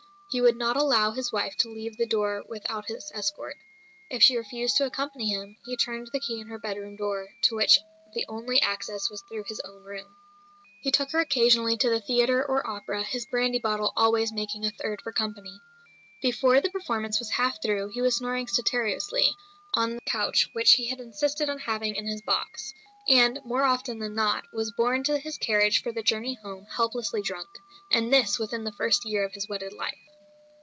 He would not allow his wife to leave the door without his escort; if she refused to accompany him, he turned the key in her bedroom door, to which the only access was through his own room. He took her occasionally to the theatre or opera, his brandy bottle always making a third for company. Before the performance was half through he was snoring stertorously on the couch which he insisted on having in his box; and, more often than not, was borne to his carriage for the journey home helplessly drunk. And this within the first year of his wedded life.